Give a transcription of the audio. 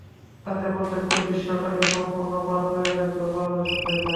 তাতে প্রত্যক্ষ দৃশ্যটাকে সম্পূর্ণ পার করে দেখবার পারদর্শিতা চাই।